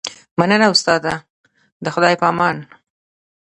مننه استاده د خدای په امان